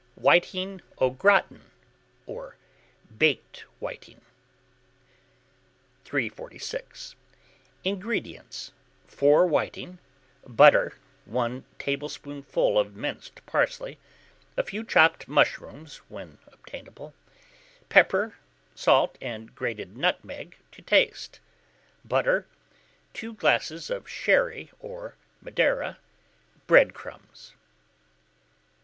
WHITING AU GRATIN, or BAKED WHITING. 346. INGREDIENTS. 4 whiting, butter, 1 tablespoonful of minced parsley, a few chopped mushrooms when obtainable; pepper, salt, and grated nutmeg to taste; butter, 2 glasses of sherry or Madeira, bread crumbs.